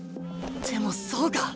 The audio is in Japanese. でもそうか！